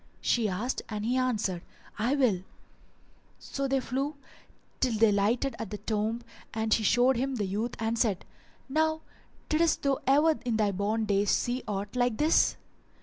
she asked and he answered, "I will." So they flew till they lighted at the tomb and she showed him the youth and said, "Now diddest thou ever in thy born days see aught like this?"